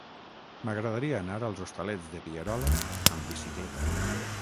M'agradaria anar als Hostalets de Pierola amb bicicleta.